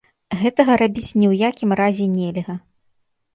Гэтага рабіць ні ў якім разе нельга.